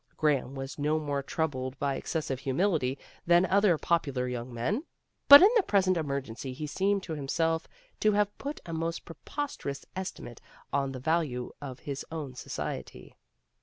Graham was no more troubled by excessive humility than other popular young men, but in the present 306 PEGGY RAYMOND'S WAY emergency he seemed to himself to have put a most preposterous estimate on the value of his own society.